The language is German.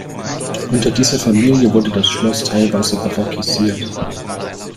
Unter dieser Familie wurde das Schloss teilweise barockisiert.